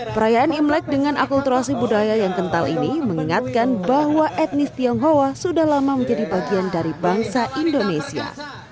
perayaan imlek dengan akulturasi budaya yang kental ini mengingatkan bahwa etnis tionghoa sudah lama menjadi bagian dari bangsa indonesia